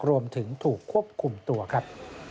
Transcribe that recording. รวมถึงถูกควบคุมตัวครับ